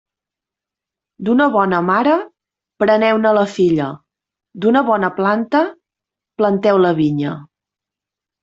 D'una bona mare, preneu-ne la filla; d'una bona planta, planteu la vinya.